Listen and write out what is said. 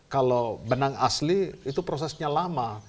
kalau benang asli itu prosesnya lama